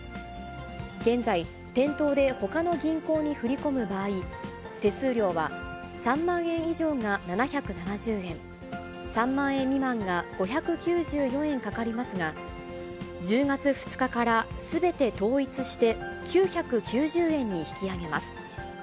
現在、店頭でほかの銀行に振り込む場合、手数料は３万円以上が７７０円、３万円未満が５９４円かかりますが、１０月２日からすべて統一して９９０円に引き上げます。